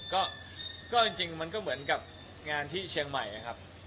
ก็จริงมันก็เหมือนกับงานที่เชียงใหม่นะครับ